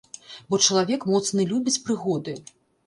Бо чалавек моцны любіць прыгоды.